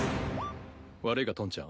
悪いがトンちゃん